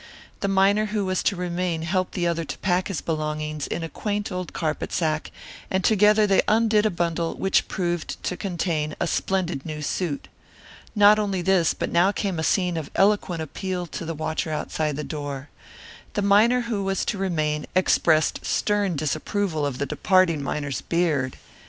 The miner who was to remain helped the other to pack his belongings in a quaint old carpet sack, and together they undid a bundle which proved to contain a splendid new suit. Not only this, but now came a scene of eloquent appeal to the watcher outside the door. The miner who was to remain expressed stern disapproval of the departing miner's beard.